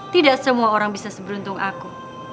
tidak semua orang bisa seberuntung aku